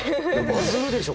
バズるでしょ